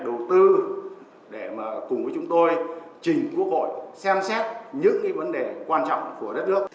đầu tư để mà cùng với chúng tôi trình quốc hội xem xét những cái vấn đề quan trọng của đất nước